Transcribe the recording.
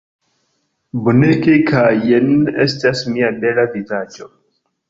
Bonege kaj jen estas mia bela vizaĝo